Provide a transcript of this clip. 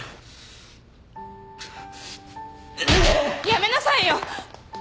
やめなさいよ。